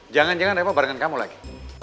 jangan jangan repo barengan kamu lagi